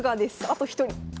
あと一人。